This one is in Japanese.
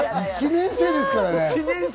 １年生ですからね。